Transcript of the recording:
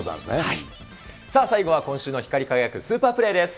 さあ、最後は今週の光り輝くスーパープレーです。